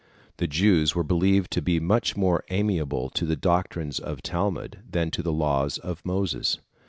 The Jews were believed to be much more amenable to the doctrines of the Talmud than to the laws of Moses.